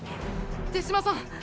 手嶋さん。